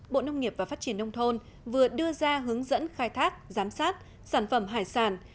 bộ nông nghiệp và phát triển nông thôn vừa đưa ra hướng dẫn khai thác giám sát sản phẩm hải sản